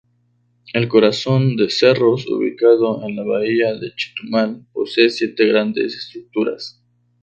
El corazón de Cerros, ubicado en la bahía de Chetumal, posee siete grandes estructuras.